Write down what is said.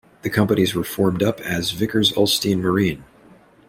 The companies were formed up as Vickers Ulstein Marine.